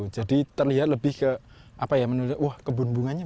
jadi terlihat lebih ke apa ya menurut saya wah kebun bunganya